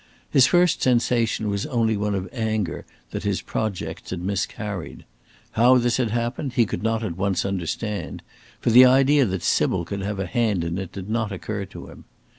His first sensation was only one of anger that his projects had miscarried. How this had happened he could not at once understand, for the idea that Sybil could have a hand in it did not occur to him.